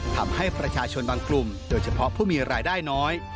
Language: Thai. ทำให้ประชาชนบางกลุ่มโดยเฉพาะผู้มีรายได้น้อย